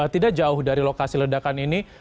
tidak jauh dari lokasi ledakan ini